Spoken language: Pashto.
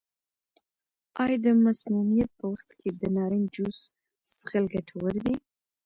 آیا د مسمومیت په وخت کې د نارنج جوس څښل ګټور دي؟